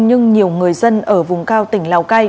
nhưng nhiều người dân ở vùng cao tỉnh lào cai